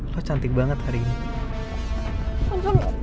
wah cantik banget hari ini